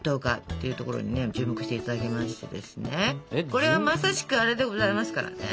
これはまさしくあれでございますからね。